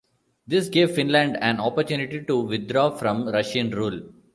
This gave Finland an opportunity to withdraw from Russian rule.